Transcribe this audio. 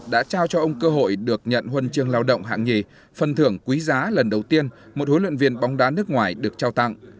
đã trao cho ông cơ hội được nhận huân chương lao động hạng nhì phần thưởng quý giá lần đầu tiên một huấn luyện viên bóng đá nước ngoài được trao tặng